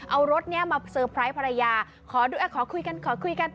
เอารถนี้มาเซอร์ไพรส์ภรรยาขอด้วยขอคุยกันขอคุยกัน